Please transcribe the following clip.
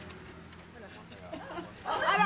あら！